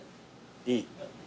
いい。